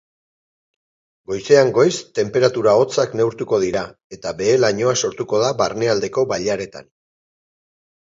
Goizean goiz tenperatura hotzak neurtuko dira eta behe-lainoa sortuko da barnealdeko bailaretan.